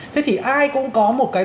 thế thì ai cũng có một cái